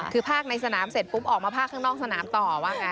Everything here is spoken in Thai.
คือภาคในสนามเสร็จปุ๊บออกมาภาคข้างนอกสนามต่อว่าไง